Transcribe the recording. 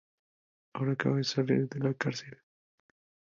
Ahora acaba de salir de la cárcel.